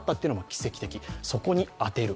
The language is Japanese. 奇跡的、そこに当てる。